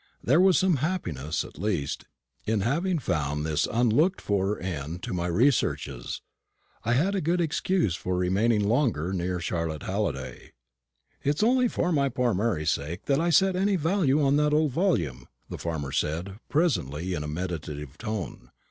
There was some happiness, at least, in having found this unlooked for end to my researches. I had a good excuse for remaining longer near Charlotte Halliday. "It's only for my poor Mary's sake I set any value on that old volume," the farmer said, presently, in a meditative tone.